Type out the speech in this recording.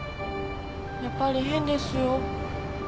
やっぱり変ですよ？